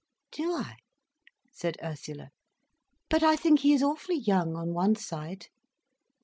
"Do I!" said Ursula. "But I think he is awfully young, on one side."